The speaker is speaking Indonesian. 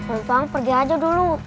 om pang pergi aja dulu